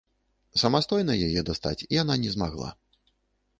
Самастойна яе дастаць яна не змагла.